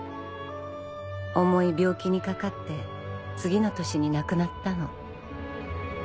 重い病気にかかって次の年に亡くなったの。